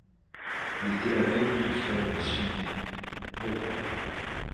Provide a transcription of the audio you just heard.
Elle était la veuve du frère de Suniaire, Borell.